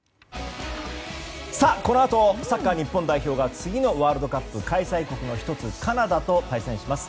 このあとサッカー日本代表が次のワールドカップ開催国の１つカナダと対戦します。